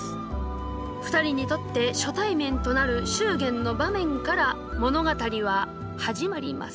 ２人にとって初対面となる祝言の場面から物語は始まります。